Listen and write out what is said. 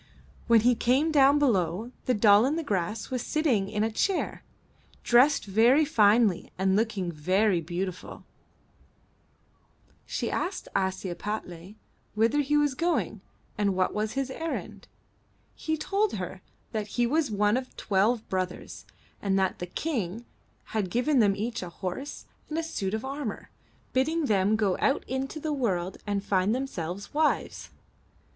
When he came down below, the Doll i' the Grass was sitting in a chair, dressed very finely and looking very beautiful. i6i MY BOOK HOUSE She asked Ashiepattle whither he was going and what was his errand. He told her that he was one of twelve brothers, and that the King had given them each a horse and a suit of armor, bidding them go out into the world and find themselves wives.